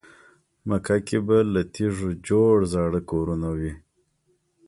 مکه کې به له تیږو جوړ زاړه کورونه وي.